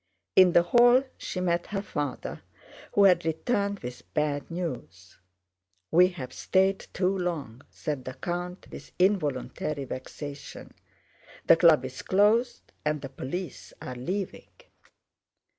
In the hall she met her father, who had returned with bad news. "We've stayed too long!" said the count with involuntary vexation. "The Club is closed and the police are leaving."